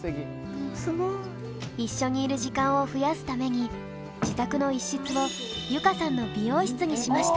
すごい。一緒にいる時間を増やすために自宅の一室を結香さんの美容室にしました。